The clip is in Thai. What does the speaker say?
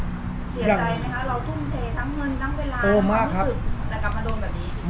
เสียใจไหมคะเราทุนเตทั้งเงินทั้งเวลาและรู้สึกกับกรรมโดนแบบนี้